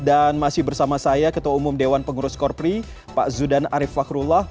dan masih bersama saya ketua umum dewan pengurus korpri pak zudan arief fakrullah